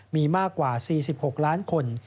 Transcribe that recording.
มีมากกว่า๔๖ล้านคน